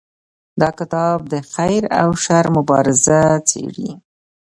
دا کتاب د خیر او شر مبارزه څیړي.